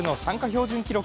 標準記録